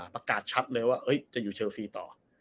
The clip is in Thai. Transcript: ประกาศชัดเลยว่าจะอยู่เชลฟรีต่อ